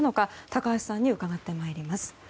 高橋さんに伺ってまいります。